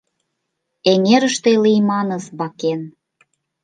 Эҥерыште лийманыс бакен: